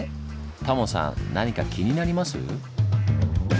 タモさん何か気になります？